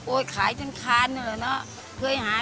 โอ๊ยขายชนคาน